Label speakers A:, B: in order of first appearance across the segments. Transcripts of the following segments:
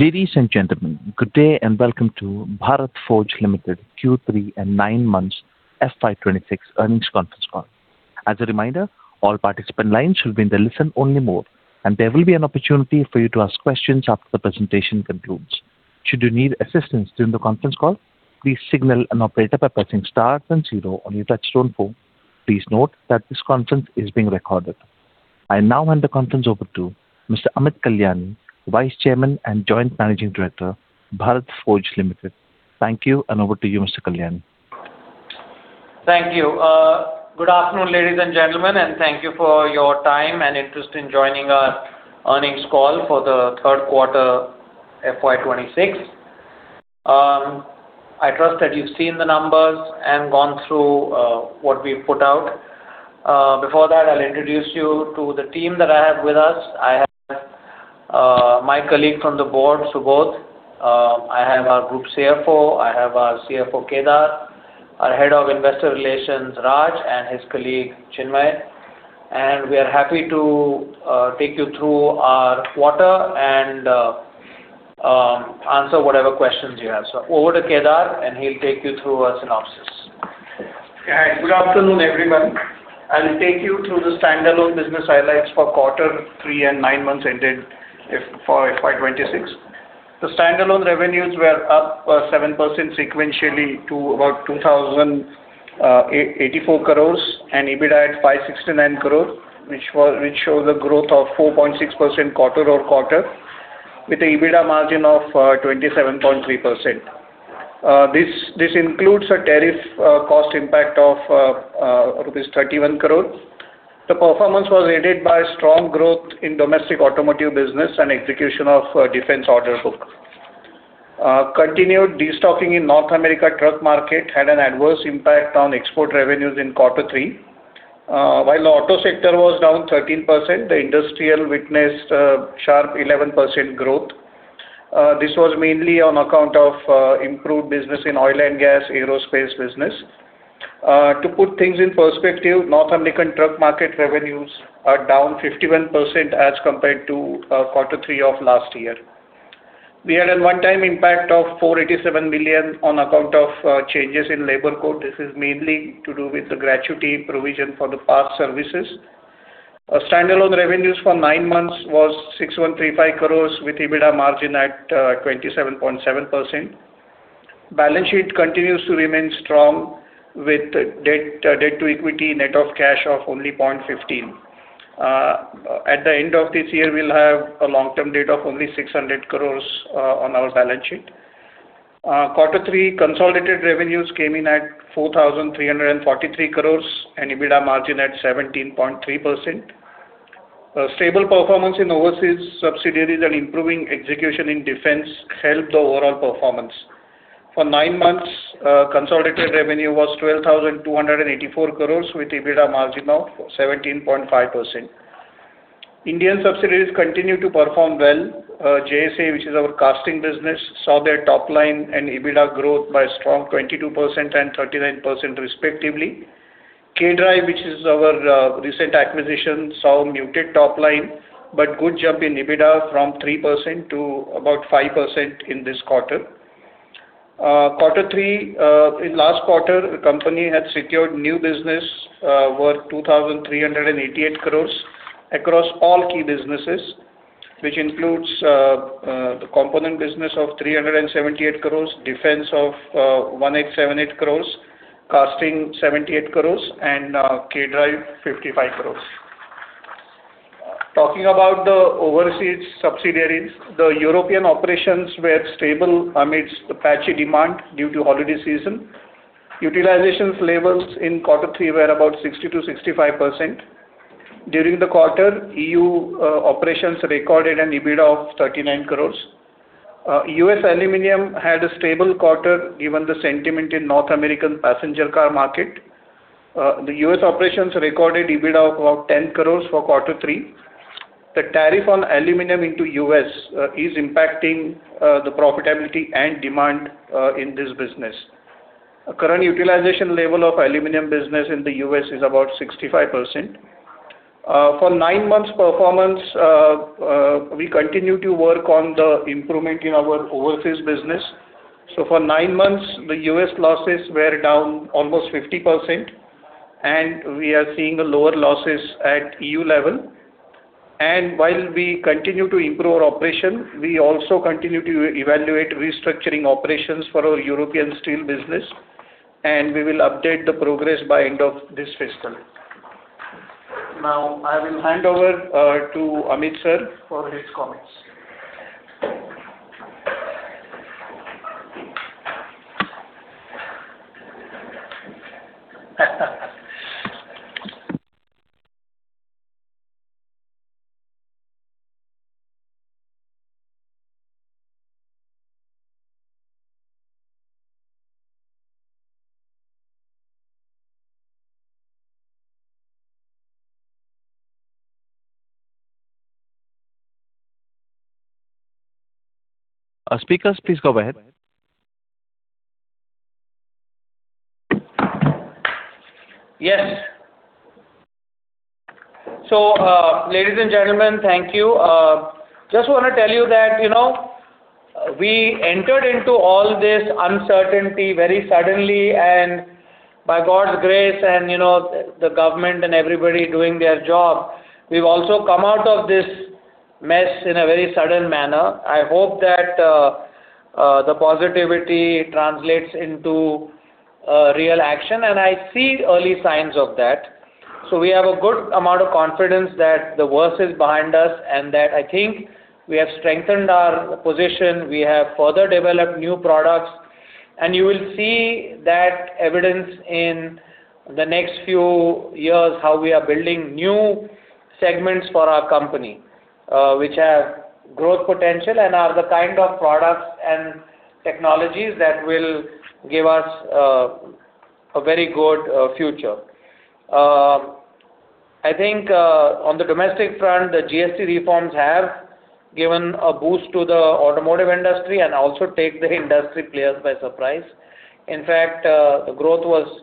A: Ladies and gentlemen, good day, and welcome to Bharat Forge Limited, Q3 and Nine months FY 2026 Earnings Conference Call. As a reminder, all participant lines should be in the listen-only mode, and there will be an opportunity for you to ask questions after the presentation concludes. Should you need assistance during the conference call, please signal an operator by pressing star then zero on your touchtone phone. Please note that this conference is being recorded. I now hand the conference over to Mr. Amit Kalyani, Vice Chairman and Joint Managing Director, Bharat Forge Limited. Thank you, and over to you, Mr. Kalyani.
B: Thank you. Good afternoon, ladies and gentlemen, and thank you for your time and interest in joining our earnings call for the third quarter, FY 2026. I trust that you've seen the numbers and gone through what we've put out. Before that, I'll introduce you to the team that I have with us. I have my colleague from the board, Subodh. I have our Group CFO, I have our CFO, Kedar, our Head of Investor Relations, Raj, and his colleague, Chinmay. And we are happy to take you through our quarter and answer whatever questions you have. So over to Kedar, and he'll take you through our synopsis.
C: Hi. Good afternoon, everyone. I'll take you through the standalone business highlights for quarter three and nine months ended for FY 2026. The standalone revenues were up 7% sequentially to about 2,884 crore, and EBITDA at 569 crore, which shows a growth of 4.6% quarter-over-quarter, with an EBITDA margin of 27.3%. This includes a tariff cost impact of rupees 31 crore. The performance was aided by strong growth in domestic automotive business and execution of defense order book. Continued destocking in North America truck market had an adverse impact on export revenues in quarter three. While auto sector was down 13%, the industrial witnessed a sharp 11% growth. This was mainly on account of improved business in oil and gas, aerospace business. To put things in perspective, North American truck market revenues are down 51% as compared to quarter three of last year. We had a one-time impact of 487 million on account of changes in Labour Code. This is mainly to do with the gratuity provision for the past services. Our standalone revenues for nine months was 6,135 crores, with EBITDA margin at 27.7%. Balance sheet continues to remain strong, with the debt-to-equity net of cash of only 0.15. At the end of this year, we'll have a long-term debt of only 600 crores on our balance sheet. Quarter three, consolidated revenues came in at 4,343 crores, and EBITDA margin at 17.3%. A stable performance in overseas subsidiaries and improving execution in defense helped the overall performance. For nine months, consolidated revenue was 12,284 crores, with EBITDA margin of 17.5%. Indian subsidiaries continue to perform well. JSA, which is our casting business, saw their top line and EBITDA growth by a strong 22% and 39% respectively. K Drive, which is our recent acquisition, saw a muted top line, but good jump in EBITDA from 3% to about 5% in this quarter. Quarter three, in last quarter, the company had secured new business worth 2,388 crores across all key businesses, which includes the component business of 378 crores, defense of 1,878 crores, casting 78 crores, and K Drive 55 crores. Talking about the overseas subsidiaries, the European operations were stable amidst the patchy demand due to holiday season. Utilization levels in quarter three were about 60%-65%. During the quarter, EU operations recorded an EBITDA of 39 crores. U.S. Aluminum had a stable quarter, given the sentiment in North American passenger car market. The U.S. operations recorded EBITDA of about 10 crores for quarter three. The tariff on aluminum into U.S. is impacting the profitability and demand in this business. Current utilization level of aluminum business in the U.S. is about 65%. For nine months performance, we continue to work on the improvement in our overseas business. So for nine months, the U.S. losses were down almost 50%, and we are seeing lower losses at EU level. While we continue to improve our operation, we also continue to evaluate restructuring operations for our European steel business, and we will update the progress by end of this fiscal. Now, I will hand over to Amit, sir, for his comments.
A: Speakers, please go ahead.
B: Yes! So, ladies and gentlemen, thank you. Just want to tell you that, you know, we entered into all this uncertainty very suddenly, and by God's grace, and, you know, the government and everybody doing their job, we've also come out of this mess in a very sudden manner. I hope that the positivity translates into real action, and I see early signs of that. So we have a good amount of confidence that the worst is behind us, and that I think we have strengthened our position, we have further developed new products, and you will see that evidence in the next few years, how we are building new segments for our company, which have growth potential and are the kind of products and technologies that will give us a very good future. I think on the domestic front, the GST reforms have given a boost to the automotive industry and also take the industry players by surprise. In fact, the growth was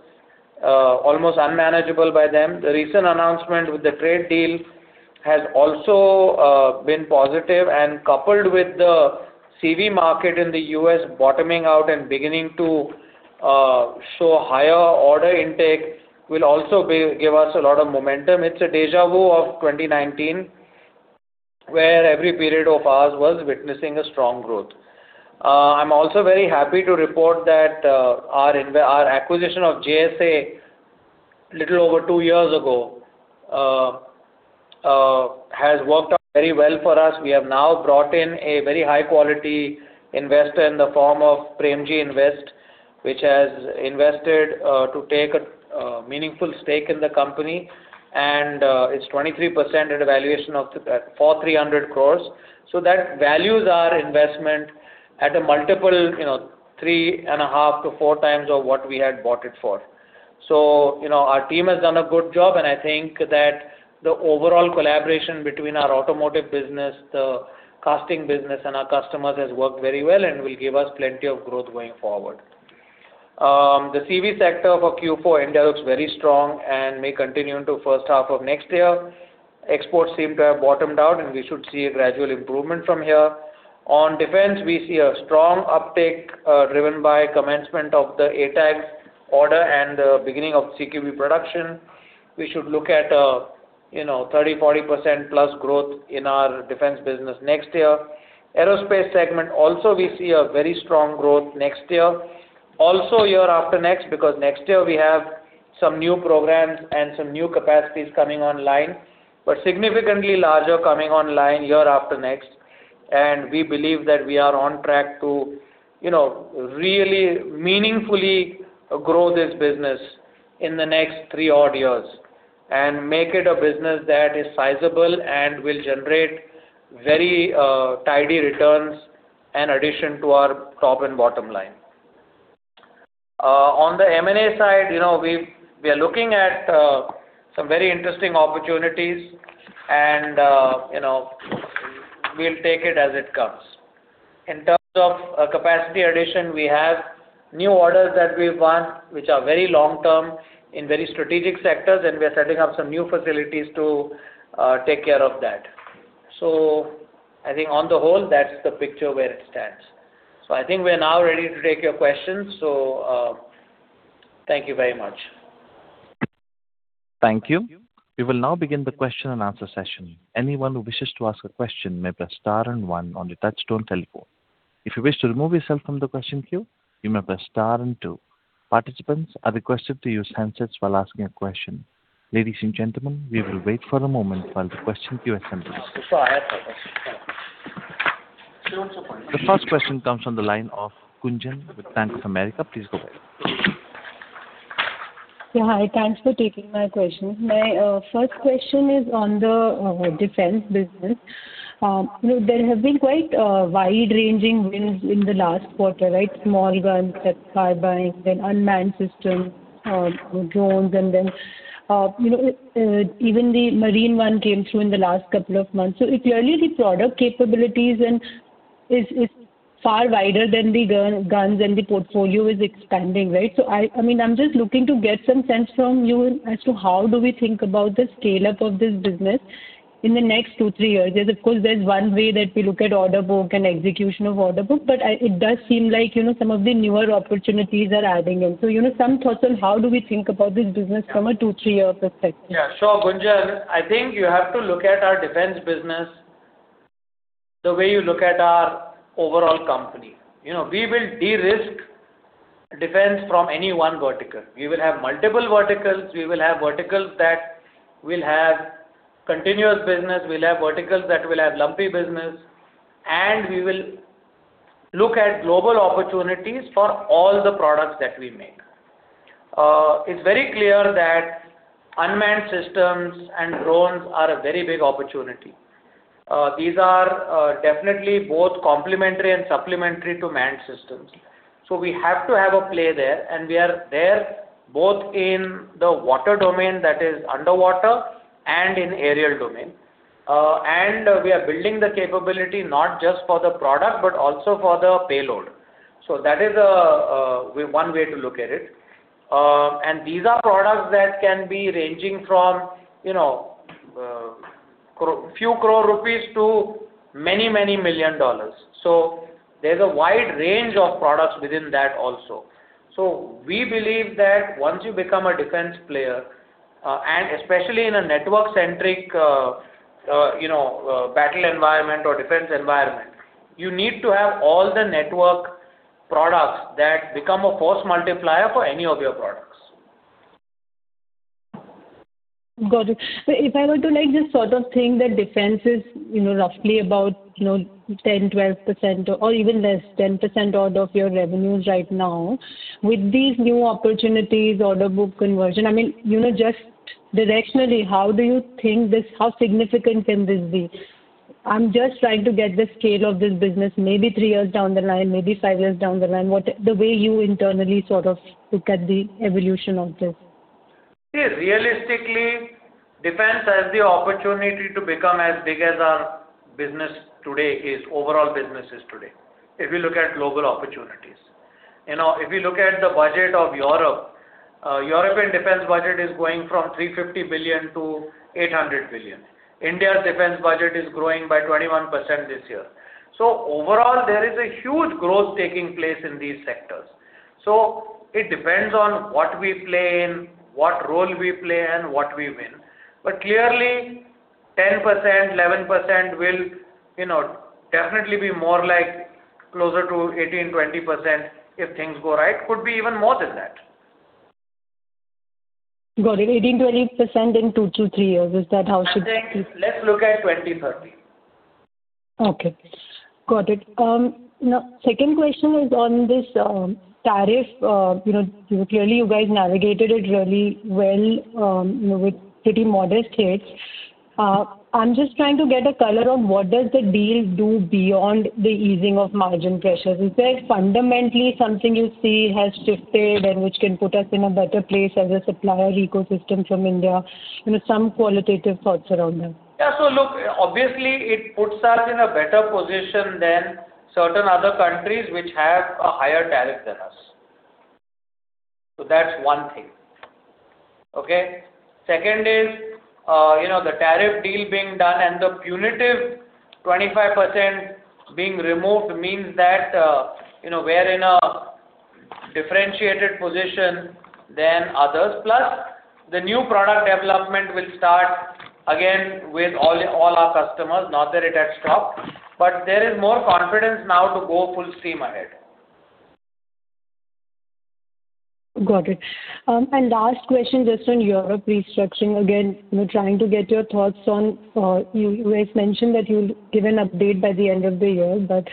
B: almost unmanageable by them. The recent announcement with the trade deal has also been positive and coupled with the CV market in the U.S., bottoming out and beginning to show higher order intake, will also give us a lot of momentum. It's a déjà vu of 2019, where every period of ours was witnessing a strong growth. I'm also very happy to report that our acquisition of JSA, little over two years ago, has worked out very well for us. We have now brought in a very high quality investor in the form of Premji Invest, which has invested to take a meaningful stake in the company, and it's 23% at a valuation of 4,300 crores. So that values our investment at a multiple, you know, 3.5x-4x of what we had bought it for. So, you know, our team has done a good job, and I think that the overall collaboration between our automotive business, the casting business, and our customers, has worked very well and will give us plenty of growth going forward. The CV sector for Q4 India looks very strong and may continue into first half of next year. Exports seem to have bottomed out, and we should see a gradual improvement from here. On defense, we see a strong uptick, driven by commencement of the ATAGS order and the beginning of CQB production. We should look at, you know, 30-40% plus growth in our defense business next year. Aerospace segment, also, we see a very strong growth next year. Also, year after next, because next year we have some new programs and some new capacities coming online, but significantly larger coming online year after next. And we believe that we are on track to, you know, really meaningfully grow this business in the next three odd years, and make it a business that is sizable and will generate very, tidy returns in addition to our top and bottom line. On the M&A side, you know, we are looking at, some very interesting opportunities and, you know, we'll take it as it comes. In terms of capacity addition, we have new orders that we've won, which are very long term, in very strategic sectors, and we are setting up some new facilities to take care of that. So I think on the whole, that's the picture where it stands. So I think we are now ready to take your questions. So, thank you very much.
A: Thank you. We will now begin the question and answer session. Anyone who wishes to ask a question may press star and one on the touchtone telephone. If you wish to remove yourself from the question queue, you may press star and two. Participants are requested to use handsets while asking a question. Ladies and gentlemen, we will wait for a moment while the question queue assembles. The first question comes from the line of Gunjan with Bank of America. Please go ahead.
D: Yeah, hi. Thanks for taking my question. My first question is on the defense business. You know, there have been quite wide-ranging wins in the last quarter, right? Small guns that are buying, then unmanned systems, drones, and then, you know, even the marine one came through in the last couple of months. So clearly, the product capabilities and is, is far wider than the gun, guns, and the portfolio is expanding, right? So I, I mean, I'm just looking to get some sense from you as to how do we think about the scale-up of this business in the next two, three years? There's, of course, there's one way that we look at order book and execution of order book, but it does seem like, you know, some of the newer opportunities are adding in. You know, some thoughts on how do we think about this business from a two to three-year perspective?
B: Yeah, sure, Gunjan. I think you have to look at our defense business, the way you look at our overall company. You know, we will de-risk defense from any one vertical. We will have multiple verticals. We will have verticals that will have continuous business, we'll have verticals that will have lumpy business, and we will look at global opportunities for all the products that we make. It's very clear that unmanned systems and drones are a very big opportunity. These are definitely both complementary and supplementary to manned systems. So we have to have a play there, and we are there both in the water domain, that is underwater, and in aerial domain. And we are building the capability not just for the product, but also for the payload. So that is one way to look at it. And these are products that can be ranging from, you know, few crore rupees to many, many million dollars. So there's a wide range of products within that also. So we believe that once you become a defense player, and especially in a network-centric, you know, battle environment or defense environment, you need to have all the network products that become a force multiplier for any of your products.
D: Got it. So if I were to, like, just sort of think that defense is, you know, roughly about, you know, 10%, 12% or even less, 10% out of your revenues right now, with these new opportunities, order book conversion, I mean, you know, just directionally, how do you think this, how significant can this be? I'm just trying to get the scale of this business, maybe three years down the line, maybe five years down the line, what, the way you internally sort of look at the evolution of this.
B: See, realistically, defense has the opportunity to become as big as our business today is, overall businesses today, if you look at global opportunities. You know, if you look at the budget of Europe, European defense budget is going from $350 billion-$800 billion. India's defense budget is growing by 21% this year. So overall, there is a huge growth taking place in these sectors. So it depends on what we play in, what role we play, and what we win. But clearly, 10%, 11% will, you know, definitely be more like closer to 18%-20% if things go right. Could be even more than that.
D: Got it. 18%-20% in two to three years. Is that how should-
B: Let's look at 2030.
D: Okay, got it. Now, second question is on this, tariff. You know, clearly, you guys navigated it really well, with pretty modest hits. I'm just trying to get a color on what does the deal do beyond the easing of margin pressures? Is there fundamentally something you see has shifted and which can put us in a better place as a supplier ecosystem from India? You know, some qualitative thoughts around that.
B: Yeah, so look, obviously, it puts us in a better position than certain other countries which have a higher tariff than us. So that's one thing. Okay? Second is, you know, the tariff deal being done and the punitive 25% being removed means that, you know, we're in a differentiated position than others. Plus, the new product development will start again with all our customers. Not that it has stopped, but there is more confidence now to go full steam ahead.
D: Got it. Last question, just on Europe restructuring, again, we're trying to get your thoughts on, you guys mentioned that you'll give an update by the end of the year, but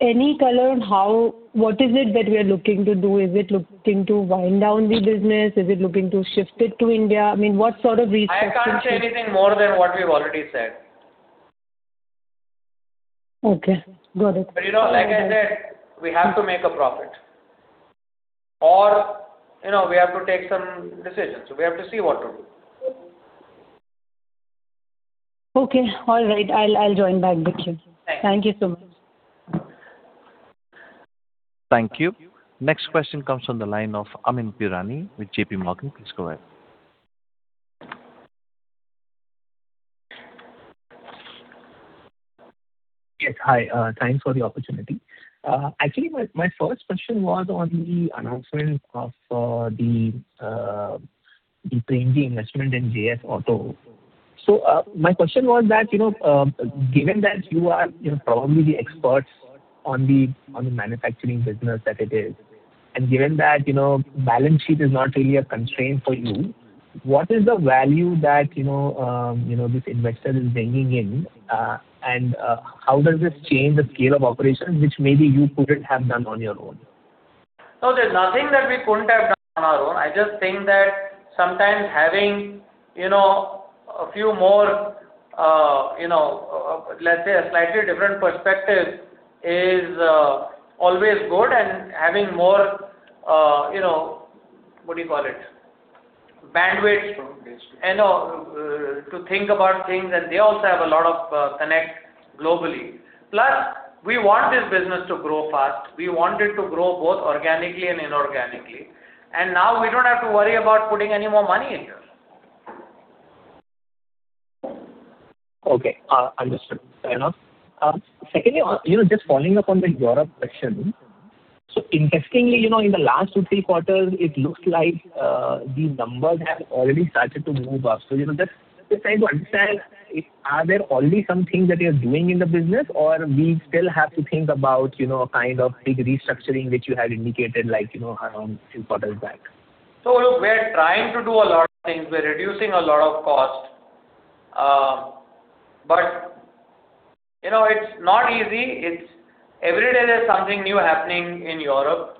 D: any color on how, what is it that we are looking to do? Is it looking to wind down the business? Is it looking to shift it to India? I mean, what sort of restructuring-
B: I can't say anything more than what we've already said.
D: Okay, got it.
B: But, you know, like I said, we have to make a profit or, you know, we have to take some decisions. We have to see what to do.
D: Okay. All right. I'll join back with you.
B: Thanks.
D: Thank you so much.
A: Thank you. Next question comes from the line of Amyn Pirani with J.P. Morgan. Please go ahead.
E: Yes, hi. Thanks for the opportunity. Actually, my first question was on the announcement of the Premji investment in JS Auto. So, my question was that, you know, given that you are, you know, probably the experts on the manufacturing business that it is, and given that, you know, balance sheet is not really a constraint for you, what is the value that, you know, this investor is bringing in? And how does this change the scale of operations, which maybe you couldn't have done on your own?
B: No, there's nothing that we couldn't have done on our own. I just think that sometimes having, you know, a few more, you know, let's say a slightly different perspective is always good and having more, you know, what do you call it? Bandwidth, you know, to think about things, and they also have a lot of connections globally. Plus, we want this business to grow fast. We want it to grow both organically and inorganically, and now we don't have to worry about putting any more money in here.
E: Okay, understood, fair enough. Secondly, you know, just following up on the Europe question. So interestingly, you know, in the last two to three quarters, it looks like the numbers have already started to move up. So, you know, just trying to understand, are there already some things that you're doing in the business or we still have to think about, you know, a kind of big restructuring which you had indicated, like, you know, a few quarters back?
B: So look, we're trying to do a lot of things. We're reducing a lot of cost, but, you know, it's not easy. It's every day there's something new happening in Europe,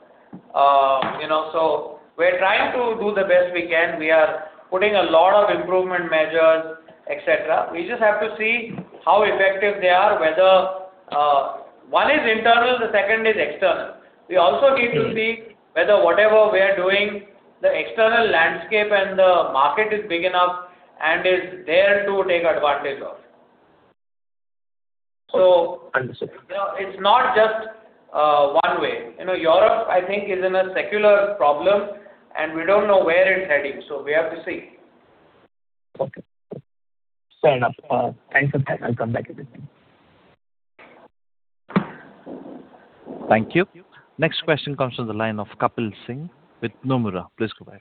B: you know, so we're trying to do the best we can. We are putting a lot of improvement measures, et cetera. We just have to see how effective they are, whether one is internal, the second is external. We also need to see whether whatever we are doing, the external landscape and the market is big enough and is there to take advantage of. So, it's not just one way. You know, Europe, I think, is in a secular problem, and we don't know where it's heading, so we have to see.
E: Okay. Fair enough. Thanks for that. I'll come back if anything.
A: Thank you. Next question comes from the line of Kapil Singh with Nomura. Please go ahead.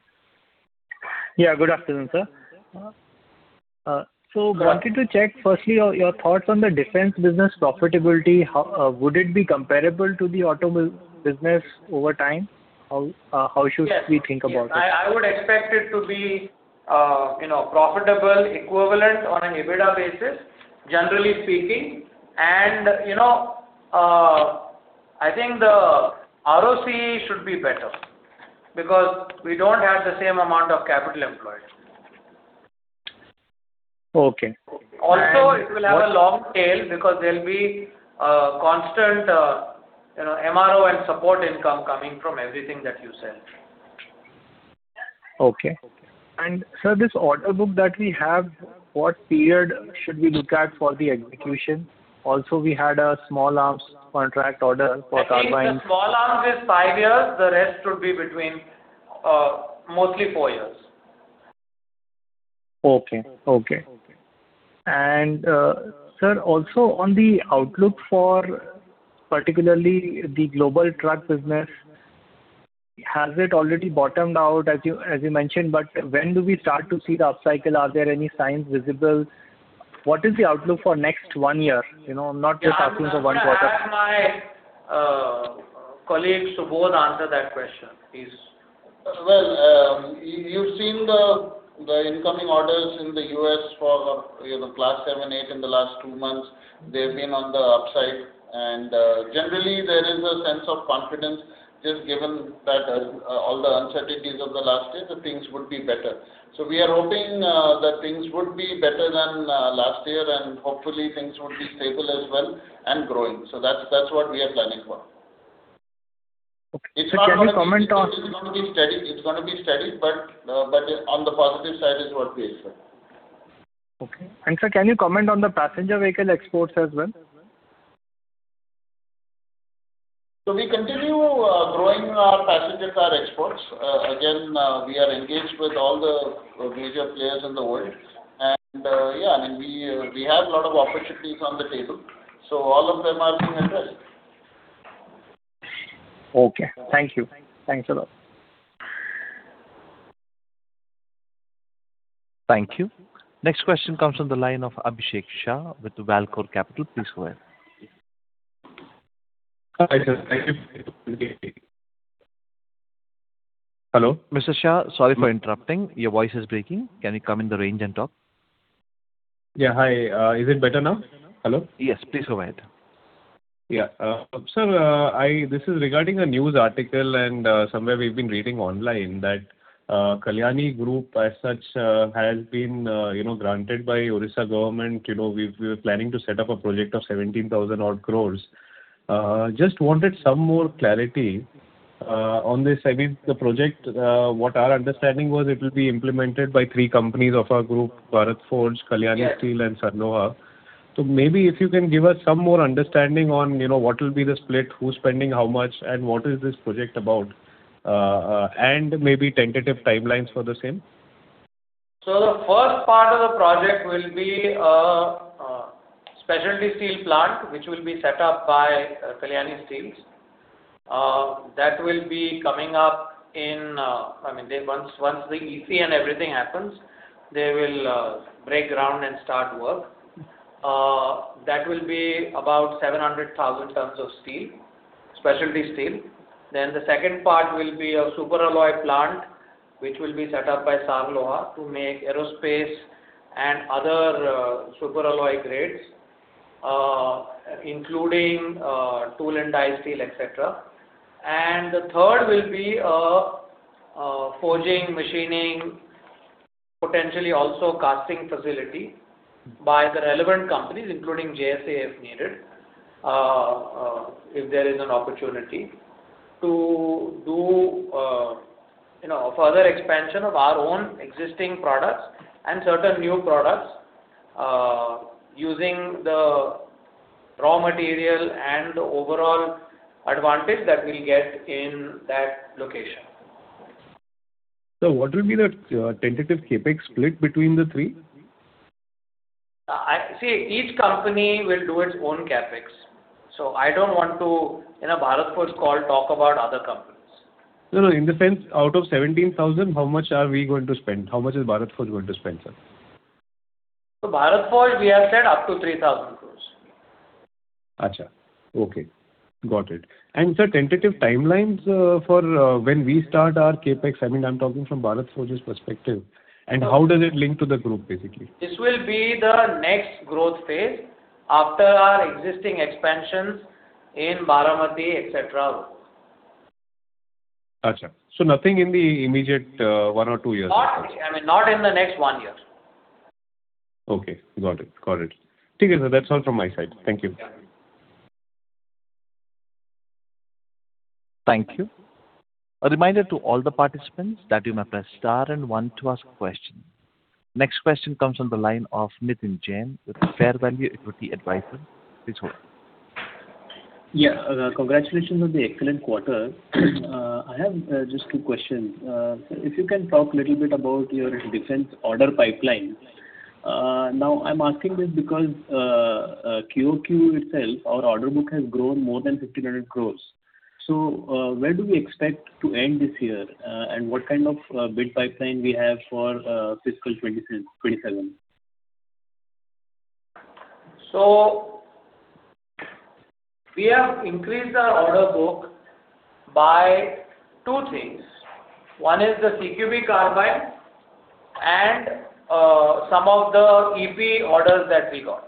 F: Yeah, good afternoon, sir. So wanted to check, firstly, your thoughts on the defense business profitability. How would it be comparable to the automobile business over time? How should we think about it?
B: Yes, I would expect it to be, you know, profitable, equivalent on an EBITDA basis, generally speaking. And, you know, I think the ROC should be better because we don't have the same amount of capital employed.
F: Okay.
B: Also, it will have a long tail because there'll be a constant, you know, MRO and support income coming from everything that you sell.
F: Okay. Sir, this order book that we have, what period should we look at for the execution? Also, we had a small arms contract order for carbine.
B: I think the Small Arms is five years, the rest would be between, mostly four years.
F: Okay, okay. And, sir, also on the outlook for particularly the global truck business, has it already bottomed out, as you, as you mentioned, but when do we start to see the upcycle? Are there any signs visible? What is the outlook for next one year? You know, not just happening for one quarter.
B: I'll have my colleague, Subodh, answer that question, please.
G: Well, you've seen the incoming orders in the U.S. for, you know, Class 7, 8 in the last two months. They've been on the upside, and generally, there is a sense of confidence, just given that all the uncertainties of the last year, things would be better. So we are hoping that things would be better than last year, and hopefully things would be stable as well and growing. So that's what we are planning for.
F: Okay. So can you comment on-
G: It's going to be steady. It's going to be steady, but, but on the positive side is what we expect.
F: Okay. And, sir, can you comment on the passenger vehicle exports as well?
G: So we continue growing our passenger car exports. Again, we are engaged with all the major players in the world. And, yeah, and we, we have a lot of opportunities on the table, so all of them are being addressed.
F: Okay. Thank you. Thanks a lot.
A: Thank you. Next question comes from the line of Abhishek Shah with ValCore Capital. Please go ahead.
H: Hi, sir. Thank you. Hello?
A: Mr. Shah, sorry for interrupting. Your voice is breaking. Can you come in the range and talk?
H: Yeah. Hi, is it better now? Hello?
A: Yes, please go ahead.
H: Yeah. Sir, this is regarding a news article, and somewhere we've been reading online that Kalyani Group, as such, has been, you know, granted by Odisha government. You know, we've, we're planning to set up a project of 17,000-odd crore. Just wanted some more clarity on this. I mean, the project, what our understanding was, it will be implemented by three companies of our group, Bharat Forge, Kalyani Steels, and Saarloha. So maybe if you can give us some more understanding on, you know, what will be the split, who's spending how much, and what is this project about, and maybe tentative timelines for the same.
B: So the first part of the project will be a specialty steel plant, which will be set up by Kalyani Steels. That will be coming up in, I mean, once the EC and everything happens, they will break ground and start work. That will be about 700,000 tons of steel, specialty steel. Then the second part will be a superalloy plant, which will be set up by Saarloha to make aerospace and other superalloy grades, including tool and die steel, et cetera. And the third will be a forging, machining, potentially also casting facility by the relevant companies, including JSA, if needed, if there is an opportunity to do, you know, further expansion of our own existing products and certain new products, using the raw material and the overall advantage that we'll get in that location.
H: So what will be the tentative CapEx split between the three?
B: See, each company will do its own CapEx, so I don't want to, in a Bharat Forge call, talk about other companies.
H: No, no, in the sense, out of 17,000, how much are we going to spend? How much is Bharat Forge going to spend, sir?
B: Bharat Forge, we have said up to 3,000 crore.
H: Gotcha. Okay, got it. Sir, tentative timelines for when we start our CapEx? I mean, I'm talking from Bharat Forge's perspective, and how does it link to the group, basically?
B: This will be the next growth phase after our existing expansions in Baramati, et cetera.
H: Gotcha. So nothing in the immediate, one or two years?
B: Not, I mean, not in the next one year.
H: Okay, got it. Got it. Take care, sir. That's all from my side. Thank you.
A: Thank you. A reminder to all the participants that you may press star and one to ask a question. Next question comes on the line of Nitin Jain, with FairValue Equity Advisors. Please go ahead.
I: Yeah, congratulations on the excellent quarter. I have just two questions. If you can talk a little bit about your defense order pipeline? Now, I'm asking this because, QoQ itself, our order book has grown more than 50 million crores. So, where do we expect to end this year, and what kind of bid pipeline we have for fiscal 2027?
B: So we have increased our order book by two things. One is the CQB Carbine and some of the EP orders that we got.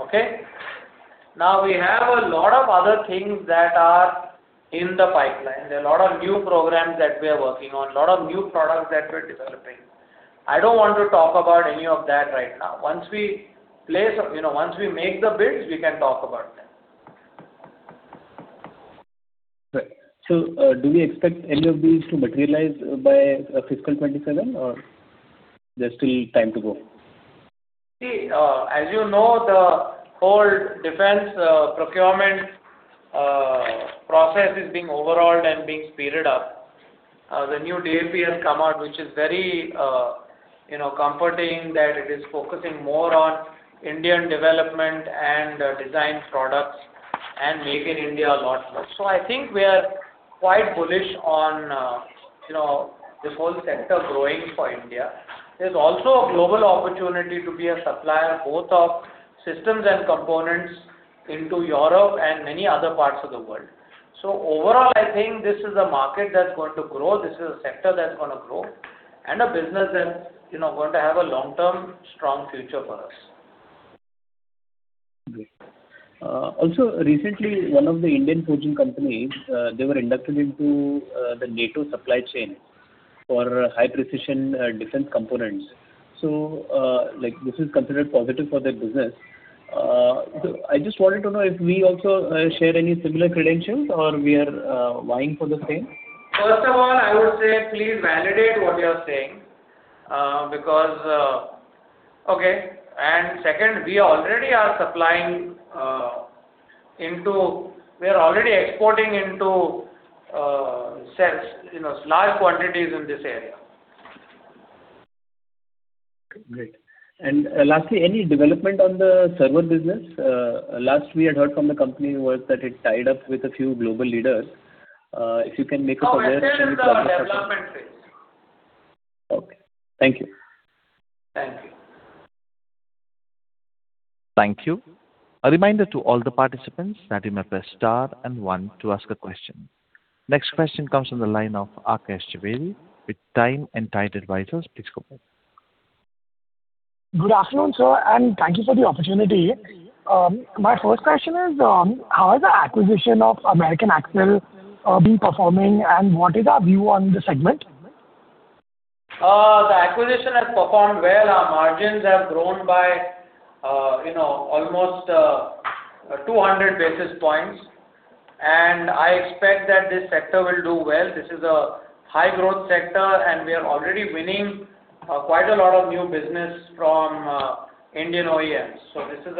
B: Okay? Now, we have a lot of other things that are in the pipeline. There are a lot of new programs that we are working on, a lot of new products that we're developing. I don't want to talk about any of that right now. Once we place, you know, once we make the bids, we can talk about them.
I: Right. So, do we expect any of these to materialize by fiscal 2027, or there's still time to go?
B: See, as you know, the whole defense procurement process is being overhauled and being sped up. The new DAP has come out, which is very, you know, comforting, that it is focusing more on Indian development and design products and make in India a lot more. So I think we are quite bullish on, you know, this whole sector growing for India. There's also a global opportunity to be a supplier, both of systems and components, into Europe and many other parts of the world. So overall, I think this is a market that's going to grow, this is a sector that's going to grow, and a business that, you know, going to have a long-term, strong future for us.
I: Great. Also, recently, one of the Indian forging companies, they were inducted into the NATO supply chain for high-precision defense components. So, like, this is considered positive for their business. So I just wanted to know if we also share any similar credentials or we are vying for the same?
B: First of all, I would say, please validate what you are saying, because... Okay, and second, we already are supplying into-- We are already exporting into sales, you know, large quantities in this area.
I: Great. Lastly, any development on the server business? Last we had heard from the company was that it tied up with a few global leaders. If you can make us aware-
B: No, it's still in the development phase.
I: Okay. Thank you.
B: Thank you.
A: Thank you. A reminder to all the participants that you may press star and one to ask a question. Next question comes from the line of Aakash Jhaveri with Time & Tide Advisors. Please go ahead.
J: Good afternoon, sir, and thank you for the opportunity. My first question is, how is the acquisition of American Axle been performing, and what is our view on this segment?
B: The acquisition has performed well. Our margins have grown by, you know, almost 200 basis points, and I expect that this sector will do well. This is a high-growth sector, and we are already winning quite a lot of new business from Indian OEMs. So this is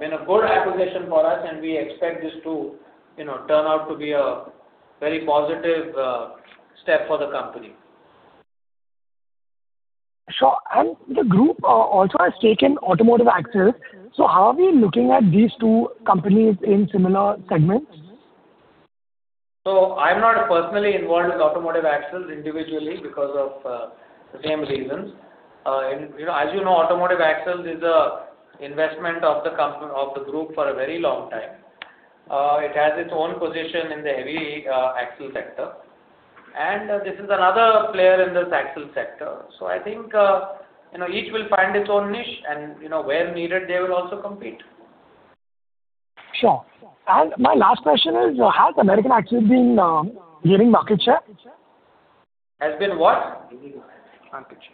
B: been a good acquisition for us, and we expect this to, you know, turn out to be a very positive step for the company.
J: Sure. And the group also has taken Automotive Axles. So how are we looking at these two companies in similar segments?
B: So I'm not personally involved with Automotive Axles individually because of the same reasons. You know, as you know, Automotive Axles is a investment of the group for a very long time. It has its own position in the heavy axle sector, and this is another player in this axle sector. So I think, you know, each will find its own niche, and, you know, where needed, they will also compete.
J: Sure. And my last question is, has American Axle been gaining market share?
B: Has been what?
J: Gaining market share.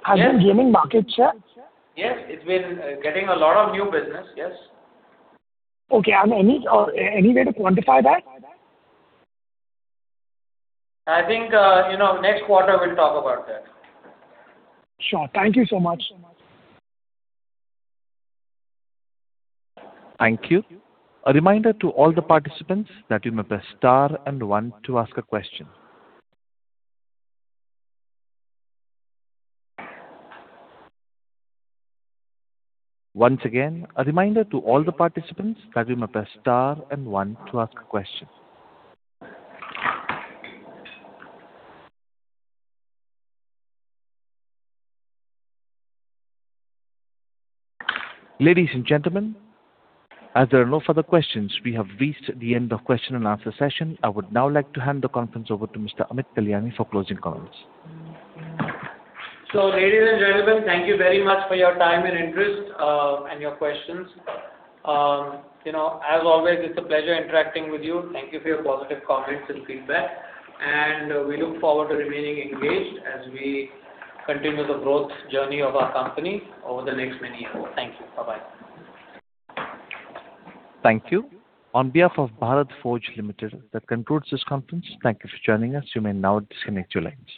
J: Has been gaining market share?
B: Yes, it's been getting a lot of new business. Yes.
J: Okay, and any, any way to quantify that?
B: I think, you know, next quarter, we'll talk about that.
J: Sure. Thank you so much.
A: Thank you. A reminder to all the participants that you may press star and one to ask a question. Once again, a reminder to all the participants that you may press star and one to ask a question. Ladies and gentlemen, as there are no further questions, we have reached the end of question and answer session. I would now like to hand the conference over to Mr. Amit Kalyani for closing comments.
B: Ladies and gentlemen, thank you very much for your time and interest, and your questions. You know, as always, it's a pleasure interacting with you. Thank you for your positive comments and feedback, and we look forward to remaining engaged as we continue the growth journey of our company over the next many years. Thank you. Bye-bye.
A: Thank you. On behalf of Bharat Forge Limited, that concludes this conference. Thank you for joining us. You may now disconnect your lines.